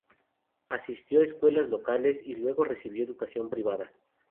Asistió a escuelas locales y luego recibió educación privada.